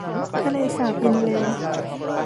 ทะเลสาบอินเลย์